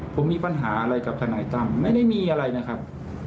ผมมีปัญหาอะไรกับทนายตั้มไม่ได้มีอะไรนะครับ